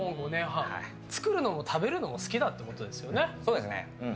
作るのも食べるのも好きだってことですよね。